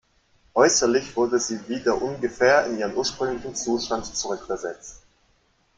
Äusserlich wurde sie wieder ungefähr in ihren ursprünglichen Zustand zurückversetzt.